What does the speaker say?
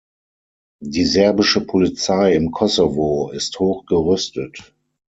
Die serbische Polizei im Kosovo ist hoch gerüstet.